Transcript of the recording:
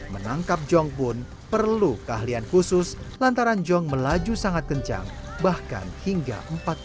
menangkap jong pun perlu keahlian khusus lantaran jong melaju sangat kencang bahkan hingga empat puluh menit